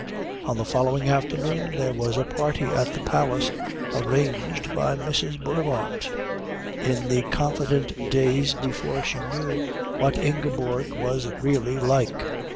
On the following afternoon there was a party at the Palace, arranged by Mrs. Bullivant in the confident days before she knew what Ingeborg was really like.